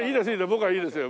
僕はいいですよ